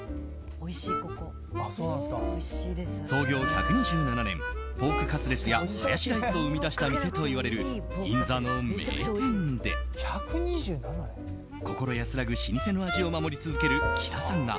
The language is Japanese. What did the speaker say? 創業１２７年ポークカツレツやハヤシライスを生み出した店と言われる銀座の名店で心安らぐ老舗の味を守り続ける木田さんが